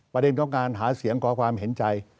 ประเด็นของการหาเสียงขอความเห็นใจ